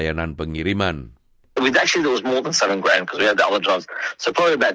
jadi dengan share uber